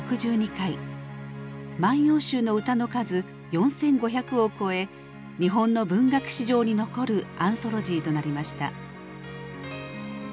「万葉集」の歌の数４，５００を超え日本の文学史上に残るアンソロジーとなりました。